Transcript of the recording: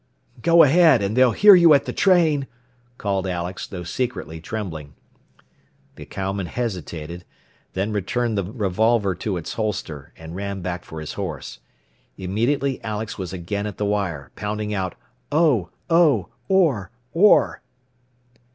_" "Go ahead, and they'll hear you at the train!" called Alex, though secretly trembling. The cowman hesitated, then returned the revolver to its holster, and ran back for his horse. Immediately Alex was again at the wire, pounding out, "_Oh! Oh! Orr! Orr!